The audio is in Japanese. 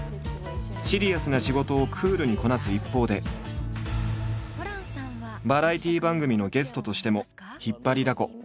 シリアスな仕事をクールにこなす一方でバラエティー番組のゲストとしても引っ張りだこ。